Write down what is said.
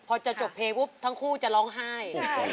พอจะจบเพลงปุ๊บทั้งคู่จะร้องไห้